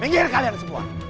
minggir kalian semua